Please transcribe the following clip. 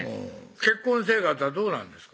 結婚生活はどうなんですか？